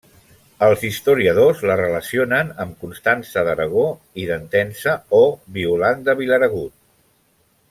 Els historiadors la relacionen amb Constança d'Aragó i d'Entença o Violant de Vilaragut.